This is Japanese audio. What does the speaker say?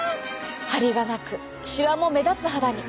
ハリがなくシワも目立つ肌に。